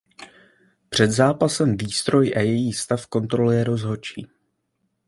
Před zápasem výstroj a její stav kontroluje rozhodčí.